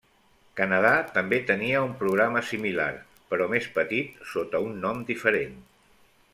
Canadà també tenia un programa similar, però més petit sota un nom diferent.